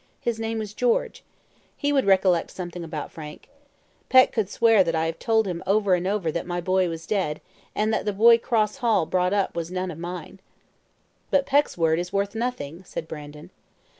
His name was George. He would recollect something about Frank. Peck could swear that I have told him over and over again that my boy was dead, and that the boy Cross Hall brought up was none of mine." "But Peck's word is worth nothing," said Brandon.